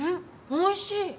おいしい。